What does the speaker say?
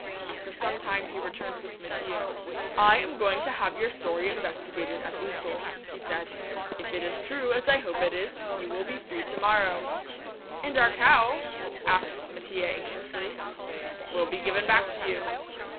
After some time he returned with Mattia. "I am going to have your story investigated at Ussel," he said. "If it is true, as I hope it is, you will be free to morrow." "And our cow?" asked Mattia anxiously. "Will be given back to you."